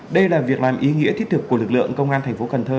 đây là việc làm ý nghĩa thiết thực của lực lượng công an thành phố cần thơ